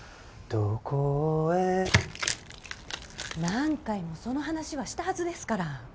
「どこへ」何回もその話はしたはずですから。